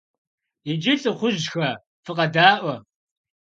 Иджы, лӀыхъужьхэ, фыкъэдаӀуэ!